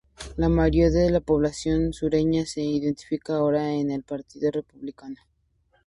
La mayoría de la población sureña se identifica ahora con el Partido Republicano.